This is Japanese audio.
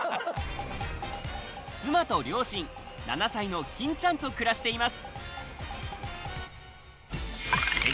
妻と両親、７歳の金ちゃんと暮らしています。